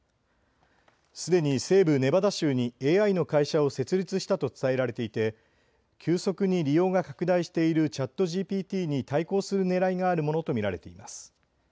すでに西部ネバダ州にＡＩの会社を設立したと伝えられていて急速に利用が拡大しているＣｈａｔＧＰＴに対抗するねらいがあるものと見られています。